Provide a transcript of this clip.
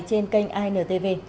trên kênh intv